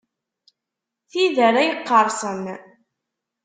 Tid ara yeqqerṣen.